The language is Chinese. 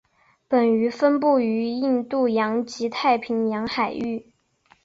本鱼分布于印度洋及太平洋海域。